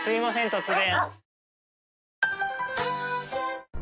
突然。